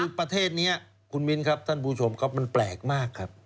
คือประเทศนี้คุณมิ้นครับท่านผู้ชมครับมันแปลกมากครับ